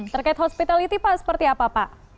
terkait hospitality pak seperti apa pak